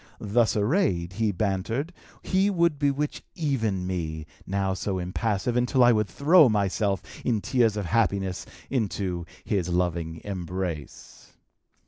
Thus arrayed, he bantered, he would bewitch even me, now so impassive, until I should throw myself, in tears of happiness, into his loving embrace.